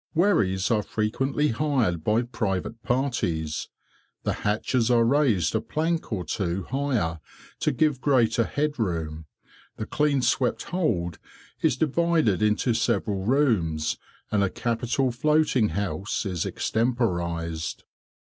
Wherries are frequently hired by private parties, the hatches are raised a plank or two higher to give greater head room, the clean swept hold is divided into several rooms, and a capital floating house is extemporized.